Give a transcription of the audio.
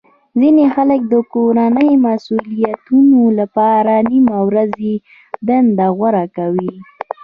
ځینې خلک د کورنۍ مسولیتونو لپاره نیمه ورځې دنده غوره کوي